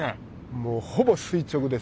もうほぼ垂直です。